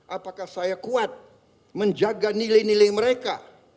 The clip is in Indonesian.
apakah saya kuat menjaga nilai nilai mereka